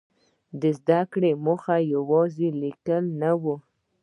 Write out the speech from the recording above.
د زده کړې موخه یوازې لیک نه وه.